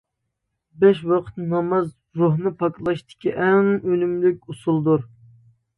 بەش ۋاقىت ناماز روھنى پاكلاشتىكى ئەڭ ئۈنۈملۈك ئۇسۇلدۇر.